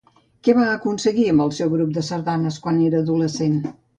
Què va aconseguir amb el seu grup de sardanes quan era adolescent?